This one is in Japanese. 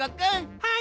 はい。